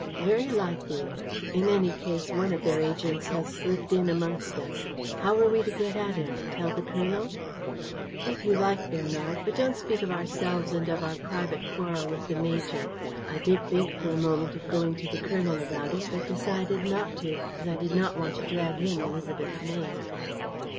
"Very likely. In any case, one of their agents has slipped in amongst us. How are we to get at him? Tell the colonel?" "If you like, Bernard, but don't speak of ourselves and of our private quarrel with the major. I did think for a moment of going to the colonel about it, but decided not to, as I did not want to drag in Élisabeth's name."